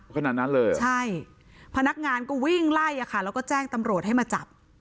ขนาดนั้นเลยเหรอใช่พนักงานก็วิ่งไล่อะค่ะแล้วก็แจ้งตำรวจให้มาจับ